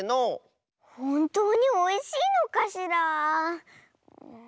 ほんとうにおいしいのかしら。